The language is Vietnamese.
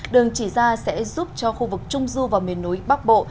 đường chỉ ra sẽ giúp cho khu vực trung du và miền núi bắc bộ